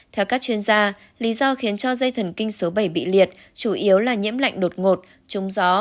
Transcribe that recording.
theo các chuyên gia lý do khiến cho dây thần kinh số bảy bị liệt chủ yếu là nhiễm lạnh đột ngột trúng gió